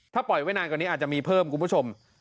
ถ้าปล่อยไว้นานกว่านี้อาจจะมีเพิ่มคุณผู้ชม